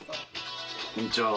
こんにちは。